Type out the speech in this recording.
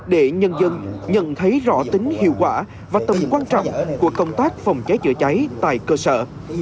để nhân dân nhận thấy rõ tính hiệu quả và tầm quan trọng của công tác phòng cháy chữa cháy tại cơ sở